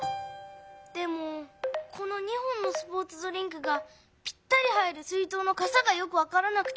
でもこの２本のスポーツドリンクがぴったり入る水とうのかさがよくわからなくて。